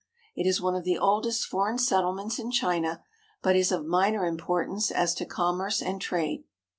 It is one of the oldest foreign settlements in China, but is of minor importance as to commerce and trade.